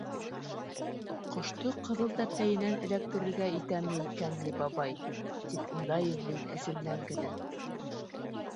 «Ҡошто ҡыҙыл тәпәйенән эләктерергә итәме икән ни бабай?» тип уйлайым мин әсемдән генә.